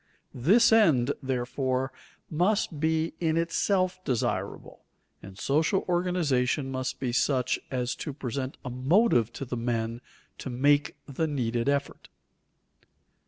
This end, therefore, must be in itself desirable, and social organization must be such as to present a motive to the men to make the needed effort.